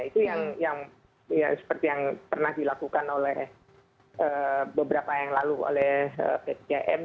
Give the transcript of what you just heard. itu yang seperti yang pernah dilakukan oleh beberapa yang lalu oleh pt km